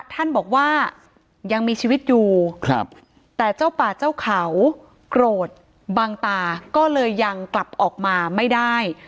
ท่านบอกว่ายังมีชีวิตอยู่แต่เจ้าป่าเจ้าเขาโกรธบังตาก็เลยยังกลับออกมาไม่ได้